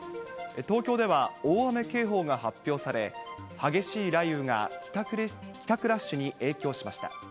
東京では大雨警報が発表され、激しい雷雨が帰宅ラッシュに影響しました。